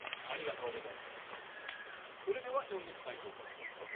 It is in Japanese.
それでは呼んでみたいと思います。